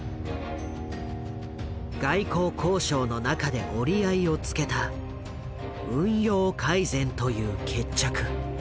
外交交渉の中で折り合いをつけた運用改善という決着。